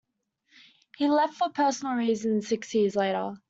He left for personal reasons six years later.